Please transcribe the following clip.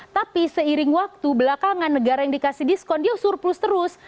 tapi seiring waktu belakangan negara yang dikasih diskon dia surplus terus